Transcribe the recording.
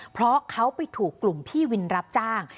เพราะเขาไปถูกกลุ่มพี่วินรับจ้าง